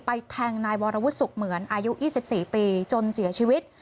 แทงนายวรวุฒิสุขเหมือนอายุ๒๔ปีจนเสียชีวิต